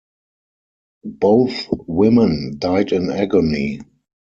Both women died in agony.